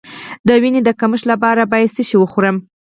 د وینې د کمښت لپاره باید څه شی وخورم؟